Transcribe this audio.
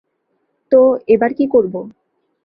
তো, এবার কী করবো?